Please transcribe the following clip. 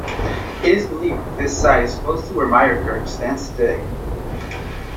It is believed this site is close to where Myrekirk stands today.